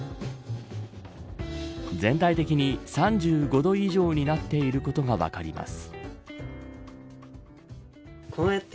全体的に３５度以上になっていることが分かります。